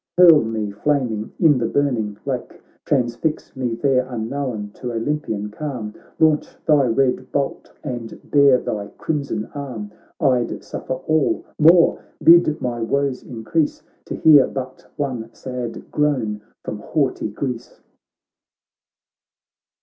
hurl me flaming in the burning lake, Transfix me there unknown to Olympian calm, Launch thy red bolt, and bare thy crimson arm, I'd suffer all — more — bid my woes in crease. To hear but one sad groan from haughty Greece.'